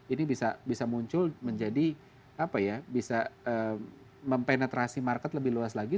ini bisa muncul menjadi apa ya bisa mempenetrasi market lebih luas lagi